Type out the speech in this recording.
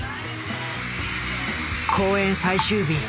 公演最終日。